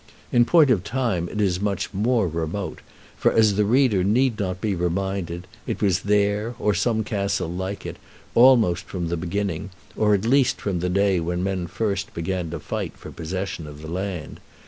In point of time it is much more remote, for, as the reader need not be reminded, it was there, or some castle like it, almost from the beginning, or at least from the day when men first began to fight for the possession of the land.